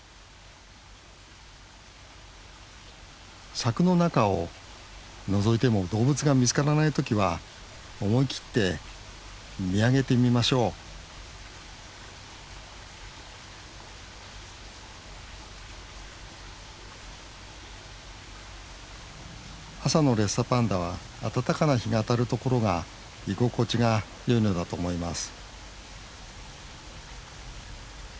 柵の中をのぞいても動物が見つからない時は思い切って見上げてみましょう朝のレッサーパンダは暖かな日が当たる所が居心地が良いのだと思います